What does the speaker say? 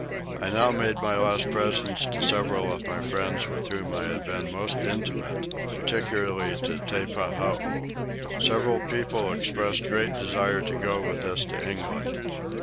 I now made my last presents to several of my friends with whom I had been most intimate, particularly to Teppahoo. Several people expressed great desire to go with us to England.